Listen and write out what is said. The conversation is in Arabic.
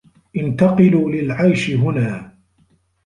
انتقلوا للعيش هنا.